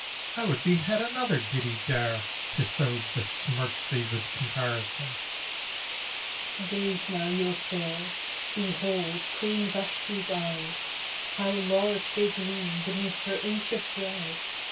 I would behead another did he dare To so besmirch thee with comparison. VASHTI (to the court) Gaze now your fill! Behold Queen Vashti's eyes! How large they gleam beneath her inch of brow!